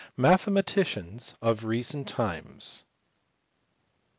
MATHEMATICS OF RECENT TIMES.